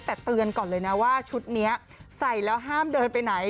แต่เตือนก่อนเลยนะว่าชุดนี้ใส่แล้วห้ามเดินไปไหน